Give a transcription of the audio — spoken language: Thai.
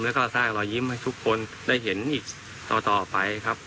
แล้วก็สร้างรอยยิ้มให้ทุกคนได้เห็นอีกต่อไปครับ